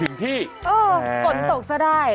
โอ้ฝนตกซะได้